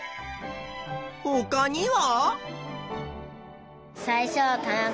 ほかには？